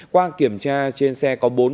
qua kiểm tra trên xe có bốn người